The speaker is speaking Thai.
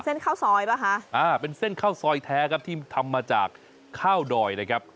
ข้าวซอยป่ะคะอ่าเป็นเส้นข้าวซอยแท้ครับที่ทำมาจากข้าวดอยนะครับ